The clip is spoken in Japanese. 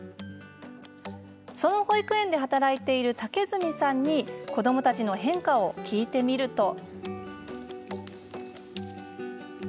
その保育園で働く武住さんに子どもの変化を聞いてみると。